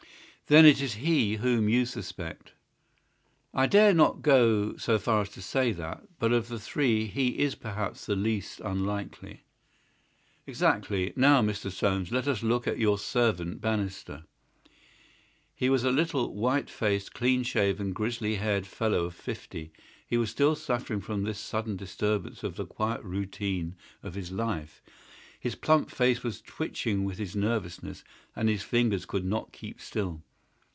"Then it is he whom you suspect?" "I dare not go so far as that. But of the three he is perhaps the least unlikely." "Exactly. Now, Mr. Soames, let us have a look at your servant, Bannister." He was a little, white faced, clean shaven, grizzly haired fellow of fifty. He was still suffering from this sudden disturbance of the quiet routine of his life. His plump face was twitching with his nervousness, and his fingers could not keep still.